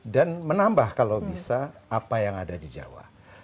dan menambah kalau bisa apa yang ada di jawa